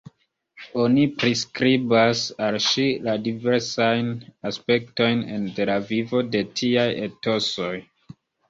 Oni priskribas al ŝi la diversajn aspektojn de la vivo de tiaj etosoj.